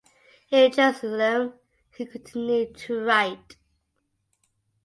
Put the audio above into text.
In Jerusalem he continued to write.